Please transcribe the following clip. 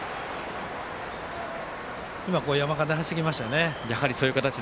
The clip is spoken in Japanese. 山勘で走ってきましたよね。